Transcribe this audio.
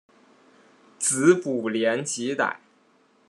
子卜怜吉歹。